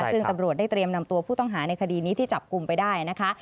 ซึ่งตำรวจได้เตรียมนำตัวผู้ต้องหาในคดีนี้ที่จับกลุ่มไปได้นะคะ